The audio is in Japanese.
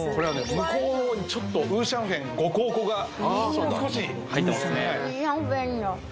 向こうの方にちょっとウーシャンフェン五香粉がほんの少しはい入ってますね